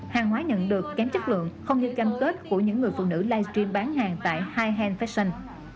hàng hóa nhận được kém chất lượng không như cam kết của những người phụ nữ live stream bán hàng tại hihand fashion